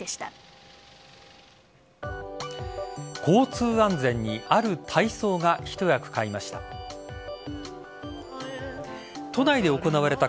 交通安全にある体操が一役買いました。